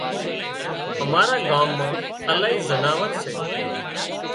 امارا ڳام مان الاهي زناورسي